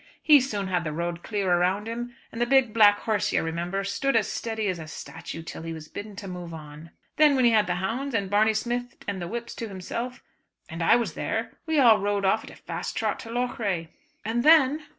He soon had the road clear around him, and the big black horse you remember, stood as steady as a statue till he was bidden to move on. Then when he had the hounds, and Barney Smith and the whips to himself, and I was there we all rode off at a fast trot to Loughrea." "And then?"